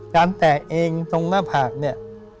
แตะเองตรงหน้าผากเนี่ย